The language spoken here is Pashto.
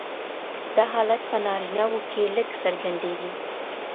دا حالت په نارینهوو کې لږ څرګندیږي.